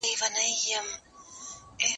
زه هره ورځ د ښوونځي کتابونه مطالعه کوم!!